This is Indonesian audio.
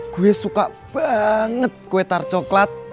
gue suka banget kue tar coklat